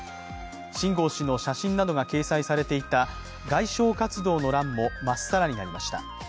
秦剛氏の写真などが掲載されていた外相活動の欄もまっさらになりました。